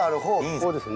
そうですね。